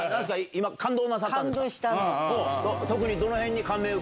今感動なさったんですか？